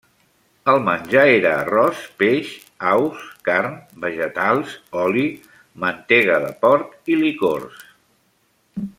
El menjar era arròs, peix, aus, carn, vegetals, oli, mantega de porc i licors.